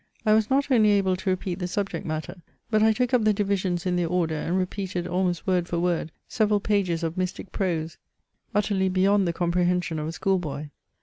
I was not only able to repeat the subject matter, but I took up the divisions in their order, and repeated almost word for word, several pages of mystic prose, utterly beyond the comprehension of 88 MEMOIRS OF a schoolboy.